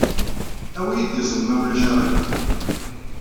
Awi-iyi-d iẓem, ma ulac aɣilif.